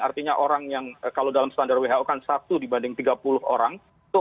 artinya orang yang kalau dalam standar who kan satu dibanding tiga puluh orang